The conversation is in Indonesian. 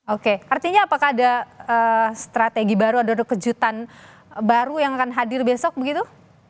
oke artinya apakah ada strategi baru ada kejutan baru yang akan hadir besok begitu